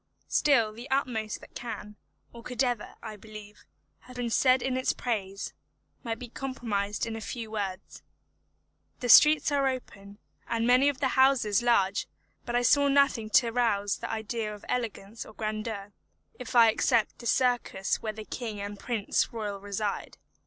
Still the utmost that can, or could ever, I believe, have been said in its praise, might be comprised in a few words. The streets are open, and many of the houses large; but I saw nothing to rouse the idea of elegance or grandeur, if I except the circus where the king and prince royal reside.